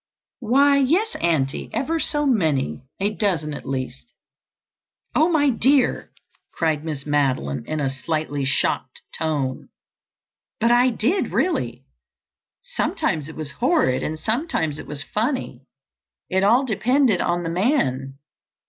"Why, yes, Auntie, ever so many. A dozen, at least." "Oh, my dear!" cried Miss Madeline in a slightly shocked tone. "But I did, really. Sometimes it was horrid and sometimes it was funny. It all depended on the man.